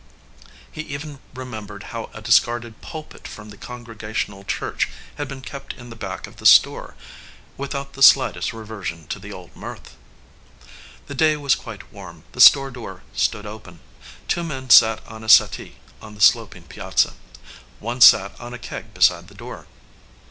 He even re membered how a discarded pulpit from the Con gregational church had been kept in the back of the store, without the slightest reversion to the old mirth. The day was quite warm. The store door stood open. Two men sat on a settee on the sloping piazza. One sat on a keg beside the door.